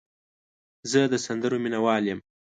زه د سندرو مینه وال یم.